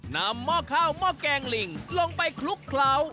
หม้อข้าวหม้อแกงลิงลงไปคลุกเคล้า